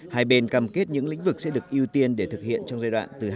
hai bên cam kết những lĩnh vực sẽ được ưu tiên để thực hiện trong giai đoạn từ